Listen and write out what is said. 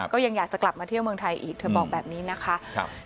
ก็ยังอยากจะกลับมาเที่ยวเมืองไทยอีกเธอบอกแบบนี้นะคะ